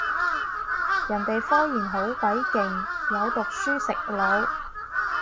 人哋科研好鬼勁，有讀書食腦